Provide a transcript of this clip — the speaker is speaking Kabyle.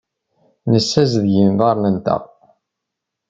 Nessazdeg iḍarren-nteɣ.